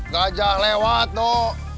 gajah lewat doh